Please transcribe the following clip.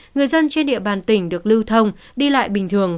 người dân trên địa bàn tỉnh được lưu thông đi lại bình thường